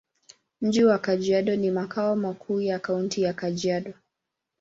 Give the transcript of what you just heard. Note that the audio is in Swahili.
Mji wa Kajiado ni makao makuu ya Kaunti ya Kajiado.